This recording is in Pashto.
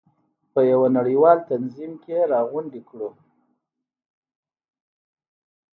په یو نړیوال تنظیم کې راغونډې کړو.